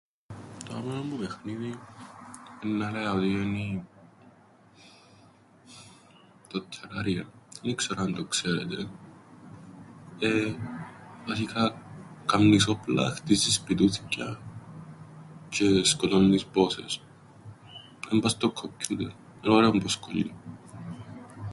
"Το αγαπημένον μου παιχνίδιν ενν΄ά έλεα ότι ένι το '''Terraria"", εν ι-ξέρω αν το ξέρετε. Ε, βασικά, κάμνεις όπλα, χτ΄΄ιζεις σπιτο΄υθκια τζ̆αι σκοτώνεις bosses. Εν' πά' στο κοππιούτερ, εν' ωραίον ποσκόλιον."